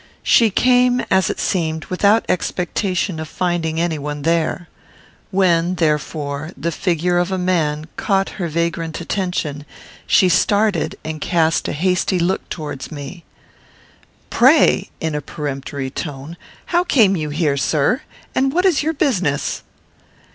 She came, as it seemed, without expectation of finding any one there. When, therefore, the figure of a man caught her vagrant attention, she started and cast a hasty look towards me. "Pray!" (in a peremptory tone,) "how came you here, sir? and what is your business?"